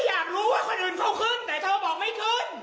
อยากรู้ว่าคนอื่นเขาขึ้นแต่เธอบอกไม่ขึ้น